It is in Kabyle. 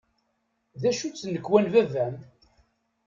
D acu-tt tnekwa n baba-m?